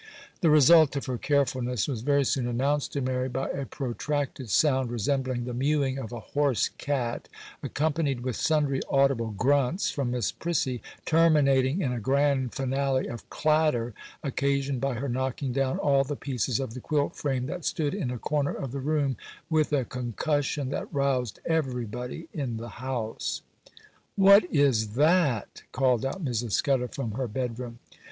The result of her carefulness was very soon announced to Mary by a protracted sound resembling the mewing of a hoarse cat, accompanied with sundry audible grunts from Miss Prissy, terminating in a grand finale of clatter, occasioned by her knocking down all the pieces of the quilt frame that stood in a corner of the room, with a concussion that roused everybody in the house. 'What is that?' called out Mrs. Scudder from her bedroom.